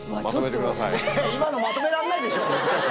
今のまとめらんないでしょ。